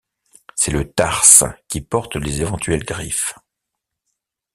C'est le tarse qui porte les éventuelles griffes.